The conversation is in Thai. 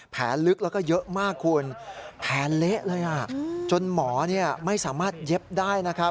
แผลเละเลยจนหมอไม่สามารถเย็บได้